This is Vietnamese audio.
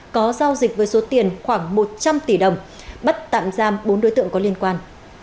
có giao dịch với số tiền khoảng một trăm linh tỷ đồng bắt tạm giam bốn đối tượng có liên quan